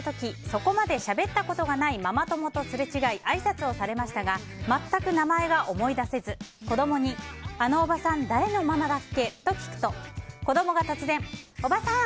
そこまでしゃべったことのないママ友とすれ違いあいさつをされましたが全く名前が思い出せず子供に、あのおばさん誰のママだっけ？と聞くと子供が突然、おばさん！